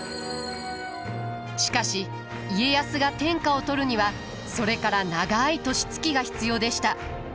しかし家康が天下を取るにはそれから長い年月が必要でした。